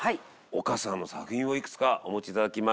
丘さんの作品をいくつかお持ち頂きました。